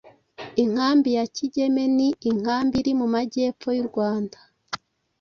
inkambi ya Kigeme ni nkambi iri mu majyepfo y’u Rwanda